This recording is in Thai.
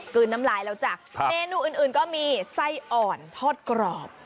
น้ำลายแล้วจ้ะเมนูอื่นก็มีไส้อ่อนทอดกรอบ